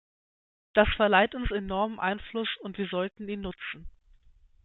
Das verleiht uns enormen Einfluss, und wir sollten ihn nutzen.